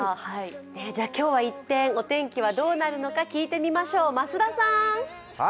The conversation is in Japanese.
今日は一転、お天気はどうなるのか聞いてみましょう。